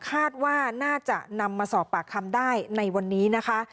คาดว่าน่าจะนำมาสอบปากคำได้ในวันนี้นะคะ